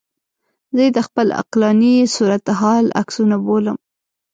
زه یې د خپل عقلاني صورتحال عکسونه بولم.